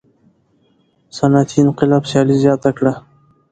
صنعتي انقلاب سیالي زیاته کړه.